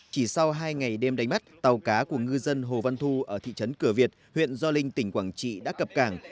chỉ sau hai ngày đêm đánh bắt tàu cá của ngư dân hồ văn thu ở thị trấn cửa việt huyện gio linh tỉnh quảng trị đã cập cảng